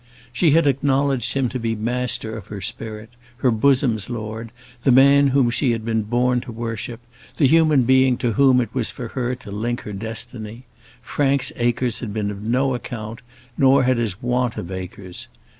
She had acknowledged him to be master of her spirit; her bosom's lord; the man whom she had been born to worship; the human being to whom it was for her to link her destiny. Frank's acres had been of no account; nor had his want of acres.